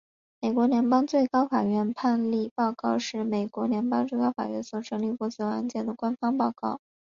美国联邦最高法院判例报告是美国联邦最高法院所审理过所有案件的官方报告。